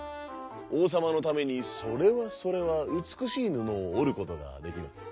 おうさまのためにそれはそれはうつくしいぬのをおることができます」。